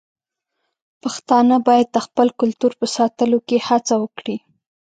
پښتانه بايد د خپل کلتور په ساتلو کې هڅه وکړي.